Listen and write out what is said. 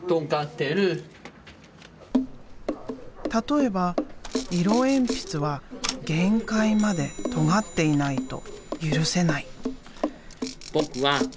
例えば色鉛筆は限界までとがっていないと許せない。